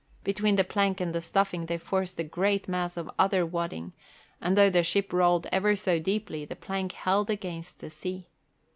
Between the plank and the stuffing they forced a great mass of other wadding, and though the ship rolled ever so deeply the plank held against the sea.